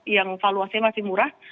yang valuasinya masih murah